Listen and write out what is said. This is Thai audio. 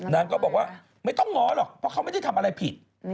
นางก็บอกว่าไม่ต้องง้อหรอกเพราะเขาไม่ได้ทำอะไรผิด